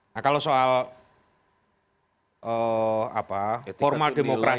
nah kalau soal formal demokrasi